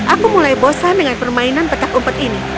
aku mulai bosan dengan permainan petak umpet ini